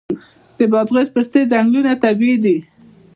د بادغیس پستې ځنګلونه طبیعي دي؟